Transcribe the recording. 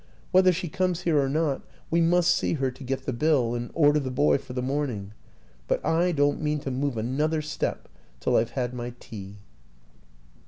Whether she comes here or not, we must see her to get the bill and order the boy for the morning. But I don't mean to move another step till I've had my tea."